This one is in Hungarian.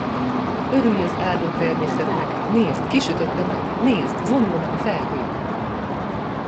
Örülj az áldott természetnek, nézd, kisütött a nap, nézd, vonulnak a felhők!